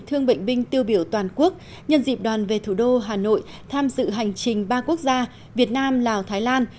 thương bệnh binh tiêu biểu toàn quốc nhân dịp đoàn về thủ đô hà nội tham dự hành trình ba quốc gia việt nam lào thái lan